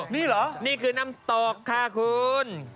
นี่เหรอนี่คือน้ำตกค่ะคุณ